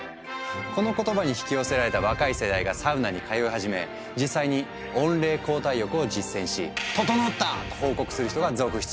この言葉に引き寄せられた若い世代がサウナに通い始め実際に温冷交代浴を実践し「ととのった！」と報告する人が続出。